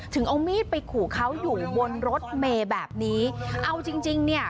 เอามีดไปขู่เขาอยู่บนรถเมย์แบบนี้เอาจริงจริงเนี่ย